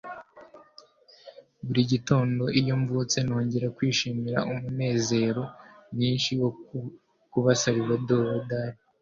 buri gitondo iyo mbyutse, nongera kwishimira umunezero mwinshi - wo kuba salvador dali. - salvador dali